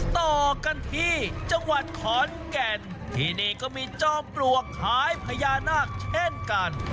ต่อกันที่จังหวัดขอนแก่นที่นี่ก็มีจอมปลวกคล้ายพญานาคเช่นกัน